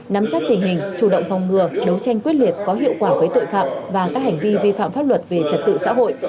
nắm chắc tình hình chủ động phòng ngừa đấu tranh quyết liệt có hiệu quả với tội phạm và các hành vi vi phạm pháp luật về trật tự xã hội